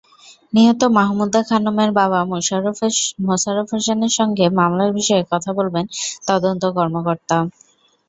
নিহত মাহমুদা খানমের বাবা মোশাররফ হোসেনের সঙ্গে মামলার বিষয়ে কথা বলবেন তদন্ত কর্মকর্তা।